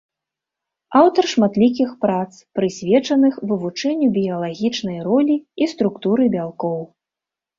Аўтар шматлікіх прац, прысвечаных вывучэнню біялагічнай ролі і структуры бялкоў.